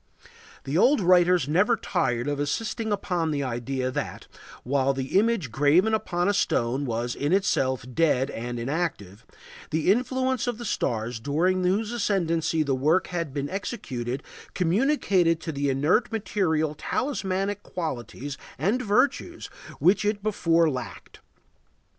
The old writers are never tired of insisting upon the idea that, while the image graven upon a stone was in itself dead and inactive, the influence of the stars during whose ascendancy the work had been executed communicated to the inert material talismanic qualities and virtues which it before lacked.